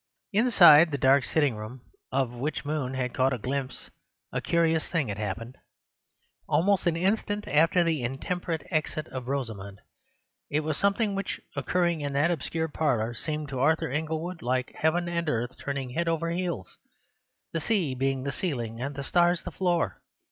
Inside the dark sitting room of which Moon had caught a glimpse a curious thing had happened, almost an instant after the intemperate exit of Rosamund. It was something which, occurring in that obscure parlour, seemed to Arthur Inglewood like heaven and earth turning head over heels, the sea being the ceiling and the stars the floor.